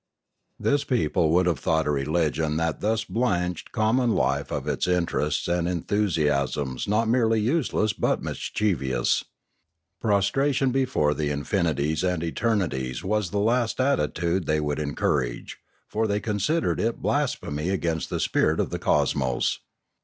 This people would have thought a religion that thus blanched common life of its interests and enthusiasms not merely useless but mischievous. Prostration be fore the infinities and eternities was the last attitude they would encourage; for they considered it blas phemy against the spirit of the cosmos.